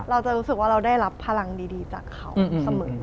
เราจะรู้สึกว่าเราได้รับพลังดีจากเขาเสมอ